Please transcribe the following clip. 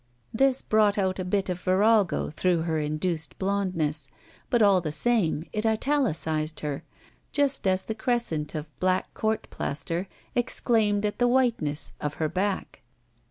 This brought out a bit of virago through her induced blondness, but all the same it italicized her, just as the crescent of black court plaster exclaimed at the whiteness of her back.